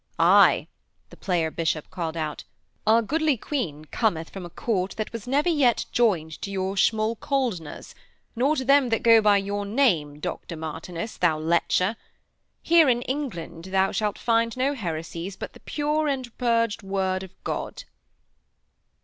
'Aye,' the player bishop called out, 'our goodly Queen cometh from a Court that was never yet joined to your Schmalkaldners, nor to them that go by your name, Dr Martinus, thou lecher. Here in England you shall find no heresies but the pure and purged Word of God.'